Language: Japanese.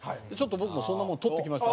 僕もそんなもん撮ってきました。